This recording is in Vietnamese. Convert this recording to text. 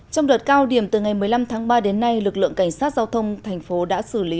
trong đợt cao điểm từ ngày một mươi năm tháng ba đến nay lực lượng cảnh sát giao thông thành phố đã xử lý